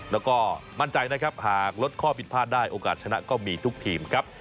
แล้วก็มั่นใจนะครับหากลดข้อผิดพลาดได้โอกาสชนะก็มีทุกทีมครับ